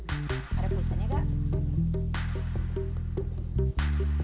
ada tulisannya gak